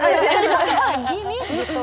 bisa dibagi bagi nih